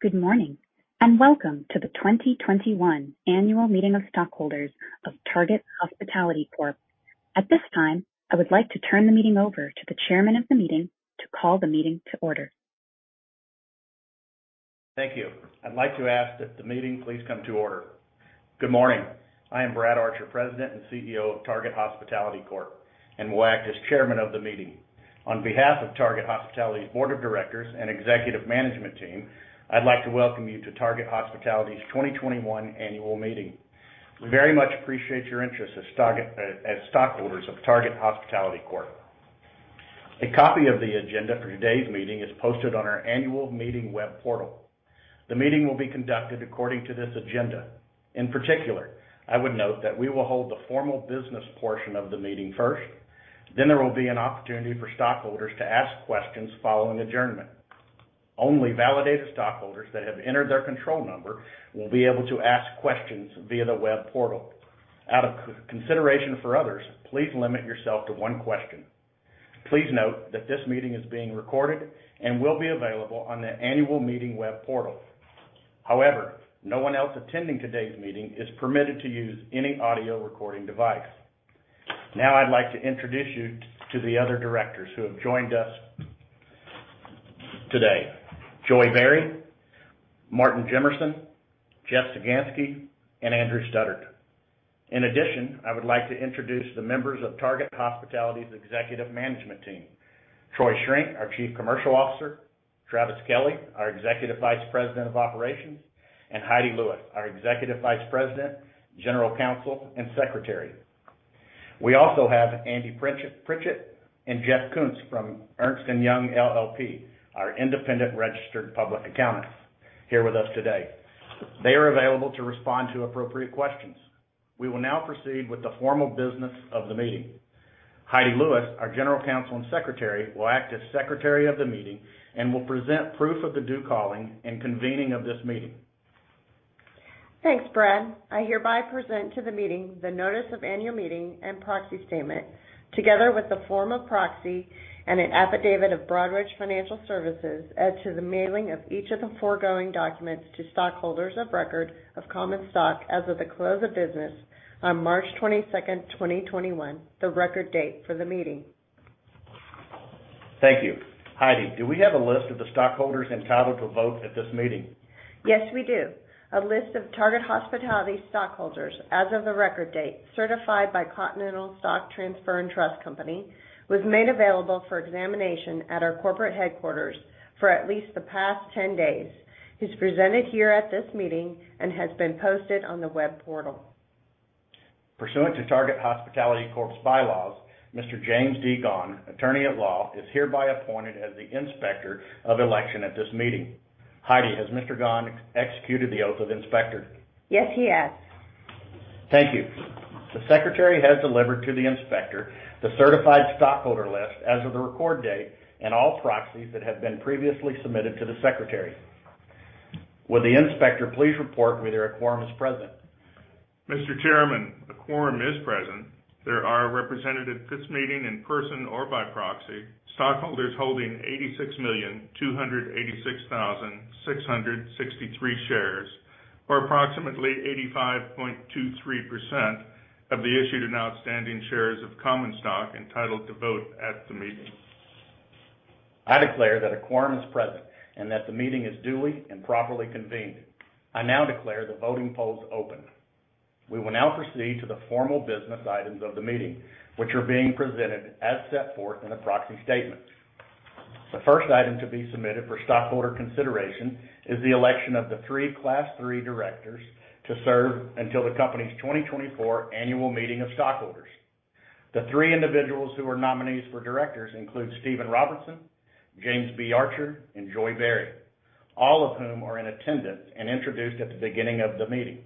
Good morning. Welcome to the 2021 annual meeting of stockholders of Target Hospitality Corp. At this time, I would like to turn the meeting over to the chairman of the meeting to call the meeting to order. Thank you. I'd like to ask that the meeting please come to order. Good morning. I am Brad Archer, President and CEO of Target Hospitality Corp., and will act as chairman of the meeting. On behalf of Target Hospitality's board of directors and executive management team, I'd like to welcome you to Target Hospitality's 2021 annual meeting. We very much appreciate your interest as stockholders of Target Hospitality Corp. A copy of the agenda for today's meeting is posted on our annual meeting web portal. The meeting will be conducted according to this agenda. In particular, I would note that we will hold the formal business portion of the meeting first, then there will be an opportunity for stockholders to ask questions following adjournment. Only validated stockholders that have entered their control number will be able to ask questions via the web portal. Out of consideration for others, please limit yourself to one question. Please note that this meeting is being recorded and will be available on the annual meeting web portal. No one else attending today's meeting is permitted to use any audio recording device. I'd like to introduce you to the other directors who have joined us today: Joy Berry, Martin Jimmerson, Jeff Sagansky, and Andrew Stoddart. I would like to introduce the members of Target Hospitality's executive management team, Troy Schrenk, our chief commercial officer, Travis Kelley, our executive vice president of operations, and Heidi Lewis, our executive vice president, general counsel, and secretary. We also have Andy Pritchett and Jeff Kunze from Ernst & Young LLP, our independent registered public accountants, here with us today. They are available to respond to appropriate questions. We will now proceed with the formal business of the meeting. Heidi Lewis, our General Counsel and Secretary, will act as Secretary of the meeting and will present proof of the due calling and convening of this meeting. Thanks, Brad. I hereby present to the meeting the notice of annual meeting and proxy statement, together with the form of proxy and an affidavit of Broadridge Financial Solutions as to the mailing of each of the foregoing documents to stockholders of record of common stock as of the close of business on March 22nd, 2021, the record date for the meeting. Thank you. Heidi, do we have a list of the stockholders entitled to vote at this meeting? Yes, we do. A list of Target Hospitality stockholders as of the record date, certified by Continental Stock Transfer & Trust Company, was made available for examination at our corporate headquarters for at least the past 10 days, is presented here at this meeting, and has been posted on the web portal. Pursuant to Target Hospitality Corp's bylaws, Mr. James D. Gunn, Attorney at Law, is hereby appointed as the inspector of election at this meeting. Heidi, has Mr. Gunn executed the oath of inspector? Yes, he has. Thank you. The secretary has delivered to the inspector the certified stockholder list as of the record date and all proxies that have been previously submitted to the secretary. Will the inspector please report whether a quorum is present? Mr. Chairman, a quorum is present. There are represented at this meeting, in person or by proxy, stockholders holding 86,286,663 shares, or approximately 85.23% of the issued and outstanding shares of common stock entitled to vote at the meeting. I declare that a quorum is present and that the meeting is duly and properly convened. I now declare the voting polls open. We will now proceed to the formal business items of the meeting, which are being presented as set forth in the proxy statement. The first item to be submitted for stockholder consideration is the election of the three Class 3 directors to serve until the company's 2024 annual meeting of stockholders. The three individuals who are nominees for directors include Stephen Robertson, James B. Archer, and Joy Barry, all of whom are in attendance and introduced at the beginning of the meeting.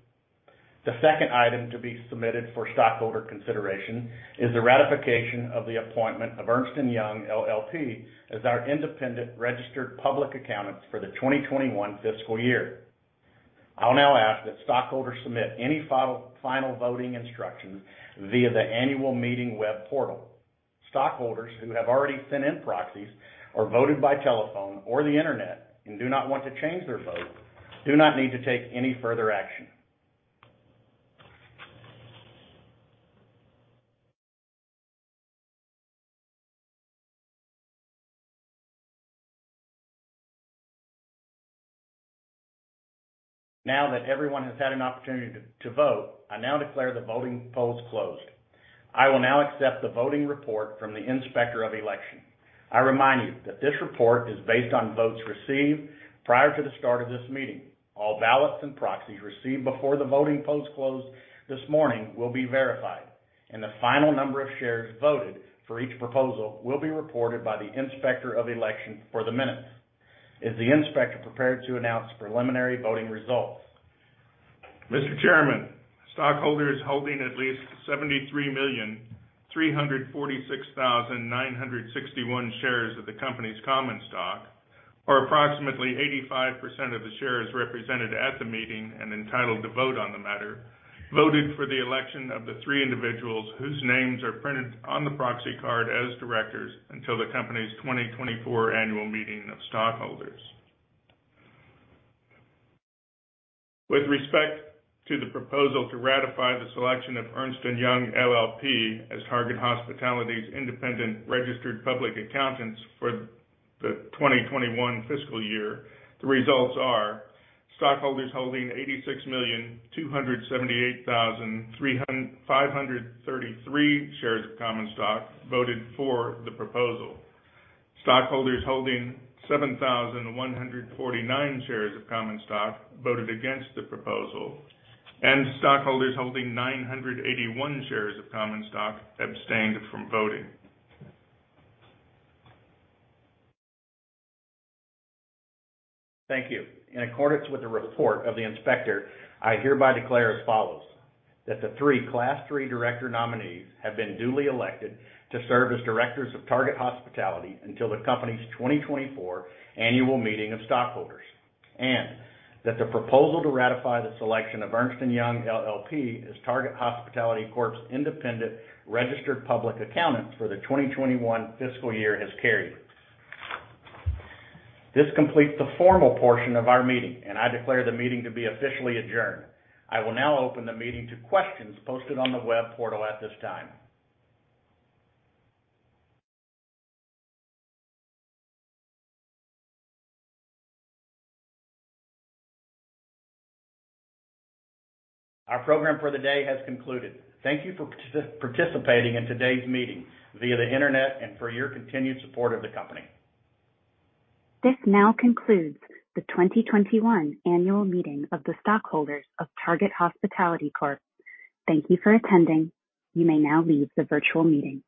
The second item to be submitted for stockholder consideration is the ratification of the appointment of Ernst & Young LLP as our independent registered public accountants for the 2021 fiscal year. I'll now ask that stockholders submit any final voting instructions via the annual meeting web portal. Stockholders who have already sent in proxies or voted by telephone or the internet and do not want to change their vote do not need to take any further action. Now that everyone has had an opportunity to vote, I now declare the voting polls closed. I will now accept the voting report from the inspector of election. I remind you that this report is based on votes received prior to the start of this meeting. All ballots and proxies received before the voting polls closed this morning will be verified, and the final number of shares voted for each proposal will be reported by the inspector of election for the minutes. Is the inspector prepared to announce the preliminary voting results? Mr. Chairman, stockholders holding at least 73,346,961 shares of the company's common stock, or approximately 85% of the shares represented at the meeting and entitled to vote on the matter voted for the election of the three individuals whose names are printed on the proxy card as directors until the company's 2024 annual meeting of stockholders. With respect to the proposal to ratify the selection of Ernst & Young LLP as Target Hospitality's independent registered public accountants for the 2021 fiscal year, the results are: stockholders holding 86,278,533 shares of common stock voted for the proposal. Stockholders holding 7,149 shares of common stock voted against the proposal, and stockholders holding 981 shares of common stock abstained from voting. Thank you. In accordance with the report of the inspector, I hereby declare as follows, that the three class III director nominees have been duly elected to serve as directors of Target Hospitality until the company's 2024 annual meeting of stockholders. That the proposal to ratify the selection of Ernst & Young LLP as Target Hospitality Corp's independent registered public accountant for the 2021 fiscal year has carried. This completes the formal portion of our meeting, and I declare the meeting to be officially adjourned. I will now open the meeting to questions posted on the web portal at this time. Our program for the day has concluded. Thank you for participating in today's meeting via the internet and for your continued support of the company. This now concludes the 2021 annual meeting of the stockholders of Target Hospitality Corp. Thank you for attending. You may now leave the virtual meeting.